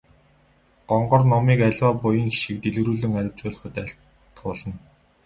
Гонгор номыг аливаа буян хишгийг дэлгэрүүлэн арвижуулахад айлтгуулна.